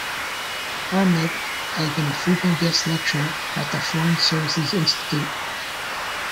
Ahmad has been a frequent guest lecturer at the Foreign Services Institute.